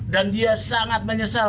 dan dia sangat menyesal